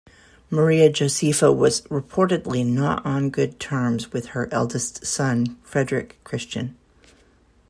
Maria Josepha was reportedly not on good terms with her eldest son Frederick Christian.